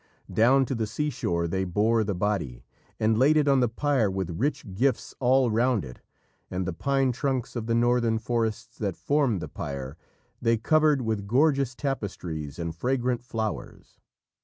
Down to the seashore they bore the body, and laid it on the pyre with rich gifts all round it, and the pine trunks of the Northern forests that formed the pyre, they covered with gorgeous tapestries and fragrant flowers.